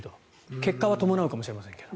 結果は伴うかもしれませんけど。